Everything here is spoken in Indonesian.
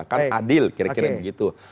kan adil kira kira begitu